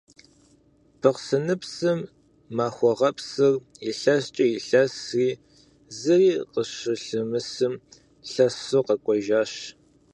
Бахъсэныпсым Махуэгъэпсыр илъэскӏэ илъэсри, зыри къыщылъымысым, лъэсу къэкӏуэжащ.